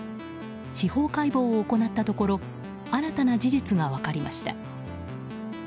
司法解剖を行ったところ新たな事実が分かりました。